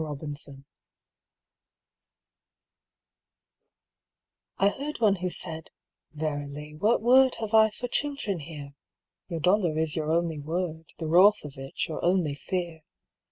Cassandra I heard one who said: "Verily, What word have I for children here? Your Dollar is your only Word, The wrath of it your only fear.